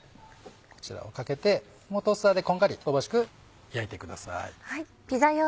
こちらをかけてトースターでこんがり香ばしく焼いてください。